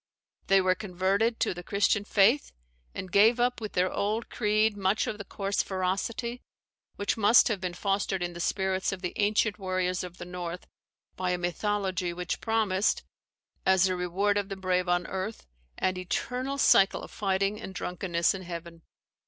They were converted to the Christian faith; and gave up with their old creed much of the coarse ferocity, which must have been fostered in the spirits of the ancient warriors of the North by a mythology which promised, as the reward of the brave on earth, an eternal cycle of fighting and drunkenness in heaven.